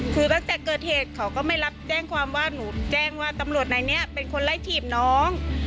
คือตั้งแต่เกิดเหตุเขาก็ไม่รับแจ้งความว่าหนูแจ้งว่าตำรวจในนี้เป็นคนไล่ถีบน้อง